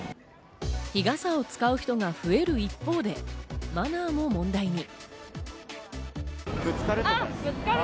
日傘を使う人が増える一方でマナーも問題に。